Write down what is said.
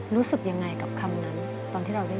รู้สึกยังไงกับคำนั้นตอนที่เราได้